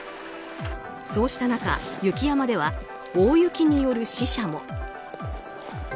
そうした中、雪山では大雪による死者も。